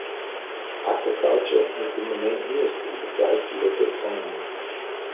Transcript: Aquaculture has been the main industry that drives the local economy.